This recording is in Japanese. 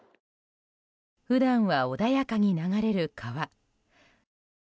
普段は穏やかに流れる川。